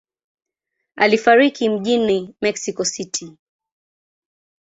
Alifariki mjini Mexico City.